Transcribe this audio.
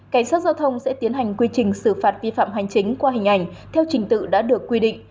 cảnh sát giao thông sẽ tiến hành quy trình xử phạt vi phạm hành chính qua hình ảnh theo trình tự đã được quy định